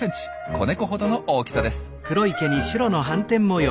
子ネコほどの大きさです。